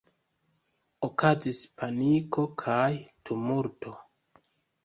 Okazis paniko kaj tumulto.